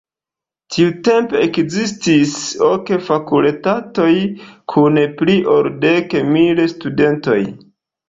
Tiutempe ekzistis ok fakultatoj kun pli ol dek mil studentoj.